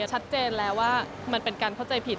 ชัดเจนแล้วว่ามันเป็นการเข้าใจผิด